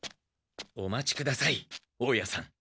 お待ちください大家さん。